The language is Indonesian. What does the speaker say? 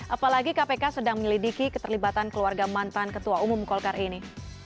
apalagi kpk sedang menyelidiki keterlibatan keluarga mantan ketua umum golkar ini